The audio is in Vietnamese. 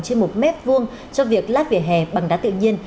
trên một mét vuông cho việc lát vỉa hè bằng đá tự nhiên